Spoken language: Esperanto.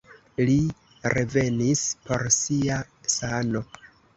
Li revenis por sia sano.